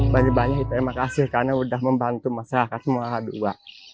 banyak banyak terima kasih karena sudah membantu masyarakat semua